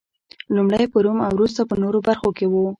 لومړی په روم او وروسته په نورو برخو کې و